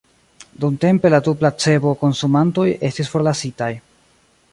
Dumtempe la du placebo-konsumantoj estis forlasitaj.